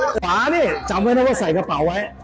ขวานี่จำไว้นะว่าใส่กระเป๋าไว้